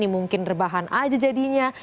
mungkin terbahan saja jadinya